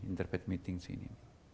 interfaith meeting di sini